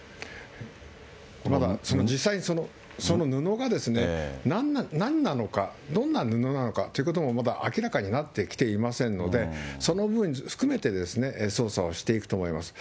まだ、実際にその布が、なんなのか、どんな布なのかということも、まだ明らかになってきていませんので、その部分含めてですね、捜査をしていくと思います。